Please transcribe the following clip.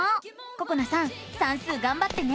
ここなさん算数がんばってね！